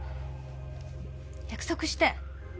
約束して。